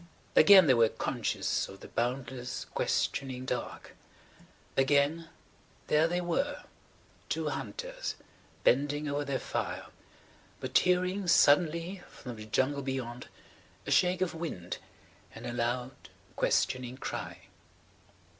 Again they were conscious of the boundless, questioning dark. Again, there they [Page 151] were–two hunters, bending over their fire, but hearing suddenly from the jungle beyond a shake of wind and a loud, questioning cry